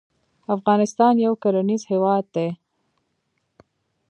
افغانستان يو کرنيز هېواد دی.